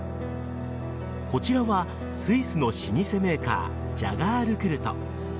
こちらはスイスの老舗メーカージャガー・ルクルト。